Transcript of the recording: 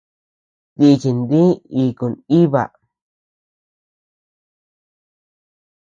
Nichin dí iku nʼiba.